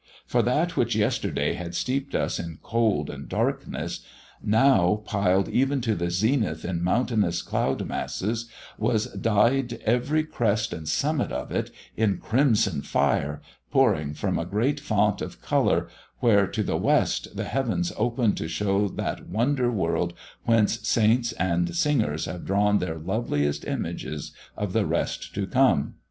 For that which yesterday had steeped us in cold and darkness, now, piled even to the zenith in mountainous cloud masses, was dyed, every crest and summit of it, in crimson fire, pouring from a great fount of colour, where, to the west, the heavens opened to show that wonder world whence saints and singers have drawn their loveliest images of the Rest to come.